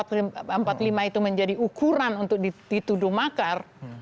untuk undang undang dasar empat puluh lima itu menjadi ukuran untuk dituduh makar